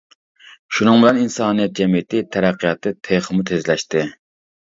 شۇنىڭ بىلەن ئىنسانىيەت جەمئىيىتى تەرەققىياتى تېخىمۇ تېزلەشتى.